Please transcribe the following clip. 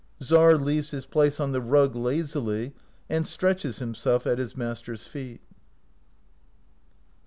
Czar leaves his place on the rug lazily, and stretches himself at his master's feet.